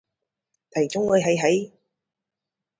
Thấy trong người hây hây